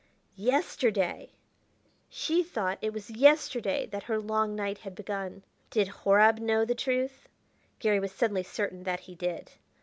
"Yesterday!" She thought it was yesterday that her long night had begun. Did Horab know the truth? Garry was suddenly certain that he did.